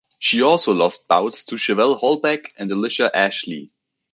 She also lost bouts to Chevelle Hallback and Alicia Ashley.